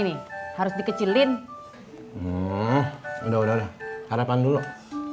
nih gue bawain nasi uduk